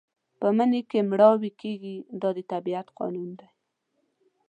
په مني کې مړاوي کېږي دا د طبیعت قانون دی.